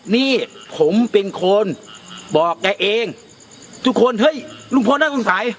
นี่ผมเป็นคนบอกแกเองทุกคนเฮ้ยลุงพลน่าสงสัย